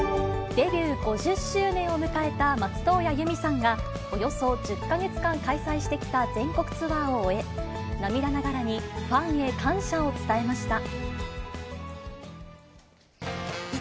デビュー５０周年を迎えた松任谷由実さんが、およそ１０か月間、開催してきた全国ツアーを終え、涙ながらにファンへ感謝を伝えました。